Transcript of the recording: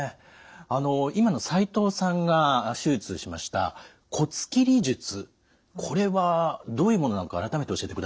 今の齋藤さんが手術しました骨切り術これはどういうものなのか改めて教えてください。